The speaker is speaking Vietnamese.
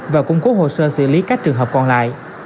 và cung cố hồ sơ xử lý các trường hợp còn lại